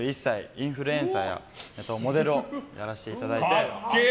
インフルエンサーやモデルをやらせていただいて。